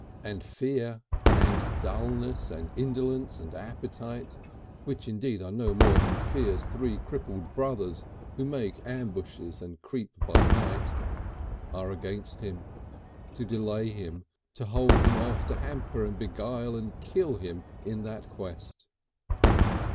And fear, and dulness and indolence and appetite, which indeed are no more than fear's three crippled brothers who make ambushes and creep by night, are against him, to delay him, to hold him off, to hamper and beguile and kill him in that quest.